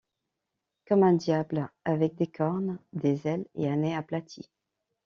Comme un diable avec des cornes, des ailes et un nez aplati.